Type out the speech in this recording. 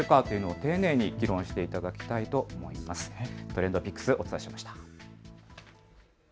ＴｒｅｎｄＰｉｃｋｓ、お伝えしました。